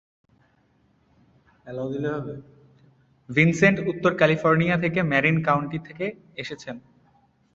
Vincent উত্তর ক্যালিফোর্নিয়ার Marin County থেকে এসেছেন।